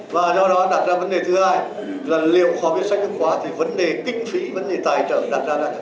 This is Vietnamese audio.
và do đó đặt ra vấn đề thứ hai là liệu khoa viết sách giáo khoa thì vấn đề kinh phí vấn đề tài trợ đặt ra là sao